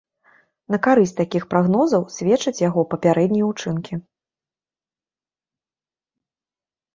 На карысць такіх прагнозаў сведчаць яго папярэднія учынкі.